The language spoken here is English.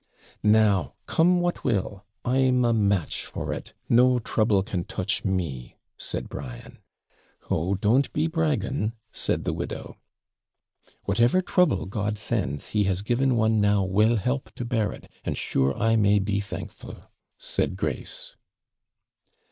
'Now, come what will, I'm a match for it. No trouble can touch me,' said Brian. 'Oh, don't be bragging,' said the widow. 'Whatever trouble God sends, He has given one now will help to bear it, and sure I may be thankful,' said Grace.